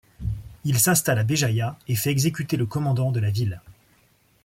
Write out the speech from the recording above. Il s'installe à Béjaïa et fait exécuter le commandant de la ville.